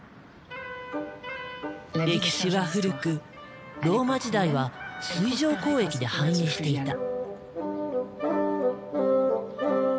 歴史は古くローマ時代は水上交易で繁栄していた。